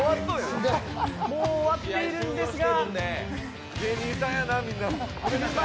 もう終わっているんですが